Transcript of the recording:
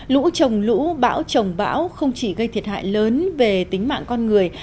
lũ trồng lũ bão trồng bão không chỉ gây thiệt hại lớn về tính mạng con người